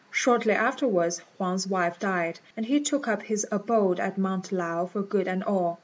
Shortly afterwards Huang's wife died, and he took up his abode at Mount Lao for good and all.